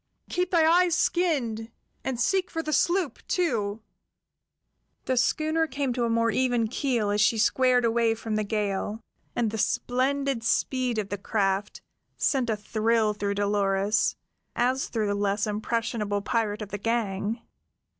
"Keep thy eyes skinned, and seek for the sloop, too." The schooner came to a more even keel as she squared away from the gale, and the splendid speed of the craft sent a thrill through Dolores, as through the less impressionable pirate of the gang.